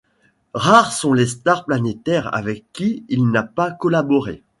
Rares sont les stars planétaires avec qui il n'a pas collaboré.